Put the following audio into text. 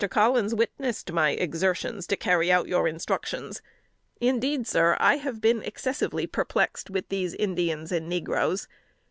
Collins witnessed my exertions to carry out your instructions; indeed, sir, I have been excessively perplexed with these Indians and negroes.